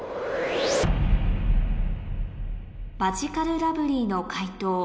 マヂカルラブリーの解答